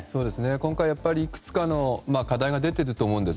今回いくつかの課題が出ていると思うんです。